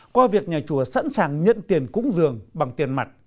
qua việc nhà chùa sẵn sàng nhận tiền cúng dường bằng tiền mặt